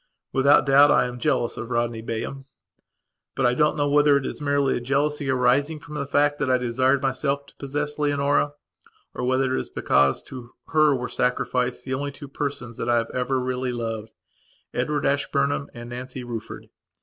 Without doubt I am jealous of Rodney Bayham. But I don't know whether it is merely a jealousy arising from the fact that I desired myself to possess Leonora or whether it is because to her were sacrificed the only two persons that I have ever really lovedEdward Ashburnham and Nancy Rufford.